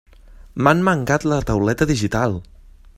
M'han mangat la tauleta digital!